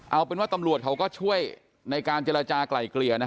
เอาเป็นว่าตำรวจเขาก็ช่วยในการเจรจากลายเกลี่ยนะ